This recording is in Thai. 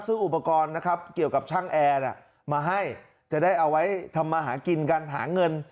ซึ่งอุปกรณ์นะครับเกี่ยวกับช่างแอร์มาให้จะได้เอาไว้ทำมาหากินกันหาเงิน